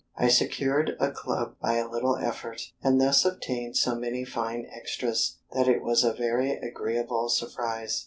I secured a Club by a little effort, and thus obtained so many fine extras, that it was a very agreeable surprise.